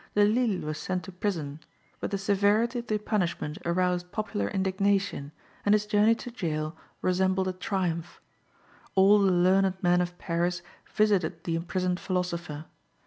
De Lisle was sent to prison, but the severity of the punishment aroused popular indignation, and his journey to gaol resembled a triumph. All the learned *men of Paris visited the imprisoned philosopher.